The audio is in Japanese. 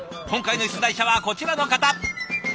今回の出題者はこちらの方。